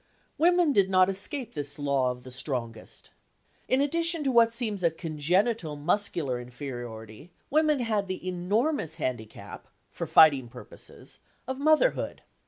Women did not escape this law of the strongest. In addition to what seems a congenital muscular inferiority, women had the enormous handicap (for fighting purposes) of motherhood.